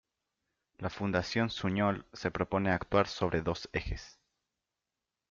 La Fundació Suñol se propone actuar sobre dos ejes.